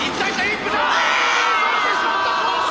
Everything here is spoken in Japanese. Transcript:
それてしまったコース